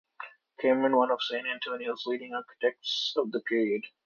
Cameron, one of San Antonio's leading architects of the period.